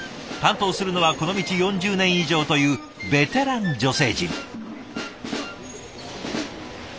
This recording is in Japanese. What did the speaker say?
担当するのはこの道４０年以上というベテラン女性陣。